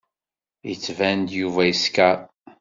Yettban-d Yuba yeskeṛ.